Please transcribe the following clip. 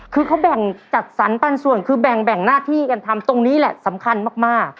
คือเขาแบ่งจัดสรรปันส่วนคือแบ่งหน้าที่กันทำตรงนี้แหละสำคัญมาก